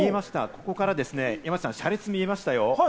ここから山ちゃん、車列が見えましたよ。